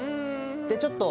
でちょっと。